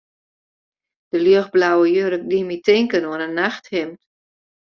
De ljochtblauwe jurk die my tinken oan in nachthimd.